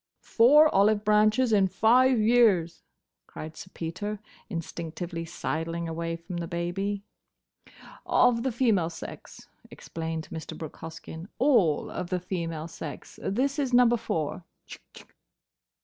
"Four olive branches in five years!" cried Sir Peter, instinctively sidling away from the baby. "Of the female sex," explained Mr. Brooke Hoskyn: "all of the female sex. This is Number Four.